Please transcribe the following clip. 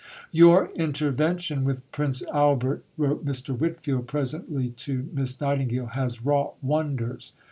"Your intervention with Prince Albert," wrote Mr. Whitfield presently to Miss Nightingale, "has wrought wonders."